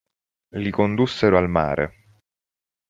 Li condussero al mare.